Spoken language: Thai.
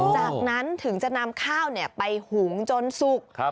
จากนั้นถึงจะนำข้าวไปหุงจนสุก